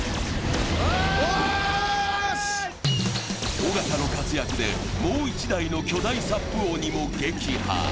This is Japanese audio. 尾形の活躍で、もう１台の巨大サップ鬼も撃破。